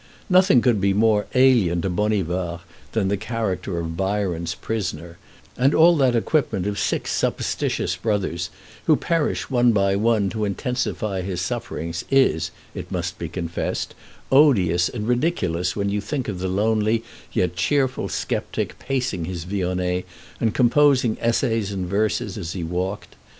Nothing could be more alien to Bonivard than the character of Byron's prisoner; and all that equipment of six supposititious brothers, who perish one by one to intensify his sufferings, is, it must be confessed, odious and ridiculous when you think of the lonely yet cheerful sceptic pacing his vionnet, and composing essays and verses as he walked.